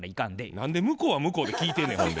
何で向こうは向こうで聞いてんねんほんで。